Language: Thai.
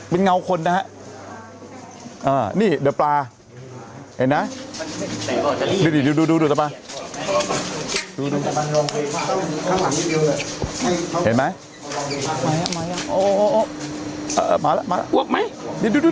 เป็นเงาคนนะฮะอ่านี่เดอะปลาเห็นไหมดูดูดูดูดูดู